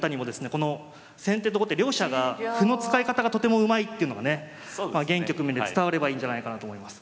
この先手と後手両者が歩の使い方がとてもうまいっていうのがね現局面で伝わればいいんじゃないかなと思います。